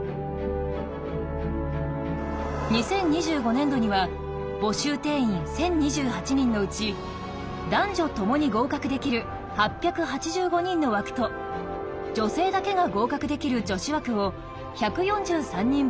２０２５年度には募集定員１，０２８人のうち男女ともに合格できる８８５人の枠と女性だけが合格できる女子枠を１４３人分設ける予定です。